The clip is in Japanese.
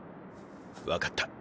分かった。